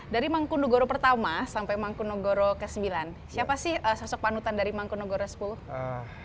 dari mangkunagara pertama sampai mangkunagara ke sembilan siapa sih sosok panutan dari mangkunagara ke sepuluh